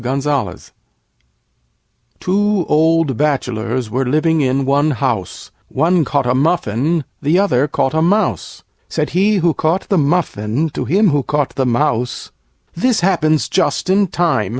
Two old Bachelors were living in one house; One caught a Muffin, the other caught a Mouse. Said he who caught the Muffin to him who caught the Mouse, "This happens just in time!